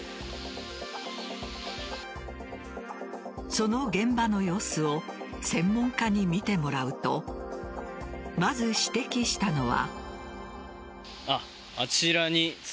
その現場の様子を専門家に見てもらうとまず指摘したのは。